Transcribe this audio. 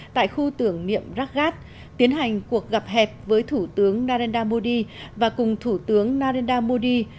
tại khu tưởng niệm rad tiến hành cuộc gặp hẹp với thủ tướng narendra modi và cùng thủ tướng narendra modi